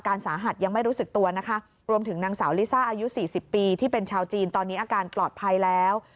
สาหัสยังไม่รู้สึกตัวนะคะรวมถึงนางสาวลิซ่าอายุสี่สิบปีที่เป็นชาวจีนตอนนี้อาการปลอดภัยแล้ว